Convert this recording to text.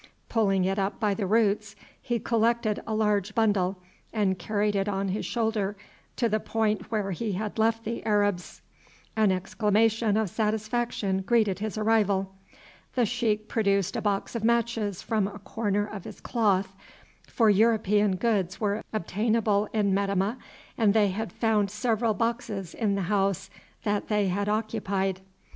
Pulling it up by the roots he collected a large bundle and carried it on his shoulder to the point where he had left the Arabs. An exclamation of satisfaction greeted his arrival. The sheik produced a box of matches from a corner of his cloth, for European goods were obtainable in Metemmeh, and they had found several boxes in the house that they had occupied.